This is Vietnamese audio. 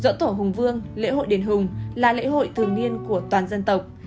dỗ tổ hùng vương lễ hội đền hùng là lễ hội thường niên của toàn dân tộc